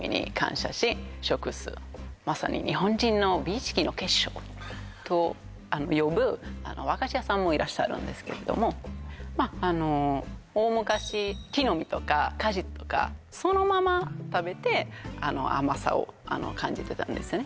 来年私もサングラスでと呼ぶ和菓子屋さんもいらっしゃるんですけれどもまああの大昔木の実とか果実とかそのまま食べて甘さを感じてたんですね